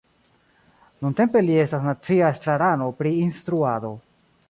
Nuntempe li estas nacia estrarano pri instruado.